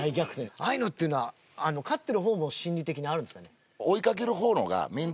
ああいうのっていうのは勝ってる方も心理的にあるんですかね？